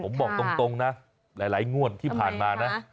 ผมบอกตรงนะหลายงวดที่ผ่านมานะ